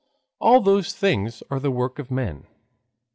All those things are the work of men.